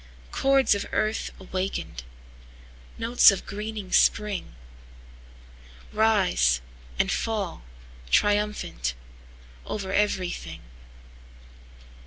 Chords of earth awakened, Notes of greening spring, Rise and fall triumphantOver every thing.